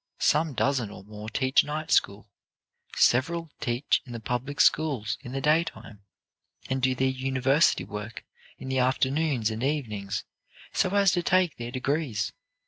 Some dozen or more teach night school. Several teach in the public schools in the daytime, and do their university work in the afternoons and evenings, so as to take their degrees.